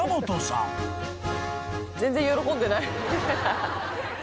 全然喜んでない。